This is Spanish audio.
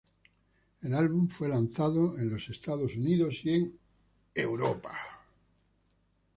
El álbum fue lanzado en Estados Unidos y Europa.